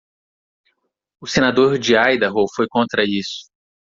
O senador de Idaho foi contra isso.